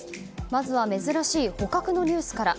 まずは珍しい捕獲のニュースから。